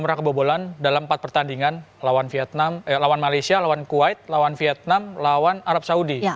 mereka tidak pernah kebobolan dalam empat pertandingan lawan malaysia kuwait vietnam dan arab saudi